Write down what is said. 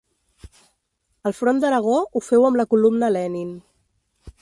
Al Front d'Aragó ho féu amb la columna Lenin.